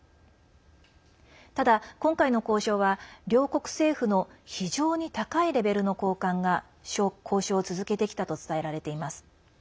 ただ、今回の交渉は両国政府の非常に高いレベルの高官が交渉を続けてきたと伝えられています。